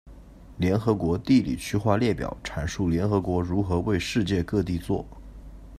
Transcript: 联合国地理区划列表阐述联合国如何为世界各地作。